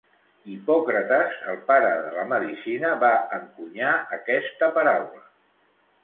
Hipòcrates, el pare de la medicina va encunyar aquesta paraula.